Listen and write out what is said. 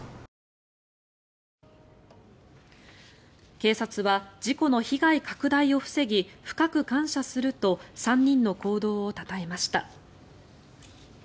警察は事故の被害拡大を防ぎ深く感謝すると３人の行動をたたえました。